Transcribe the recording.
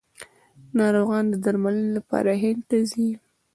ناروغان د درملنې لپاره هند ته ځي.